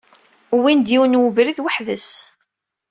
Wwin-d yiwen webrid weḥd-s.